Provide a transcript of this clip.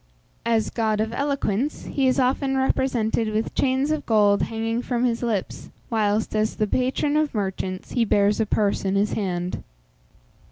As god of eloquence, he is often represented with chains of gold hanging from his lips, whilst, as the patron of merchants, he bears a purse in his hand.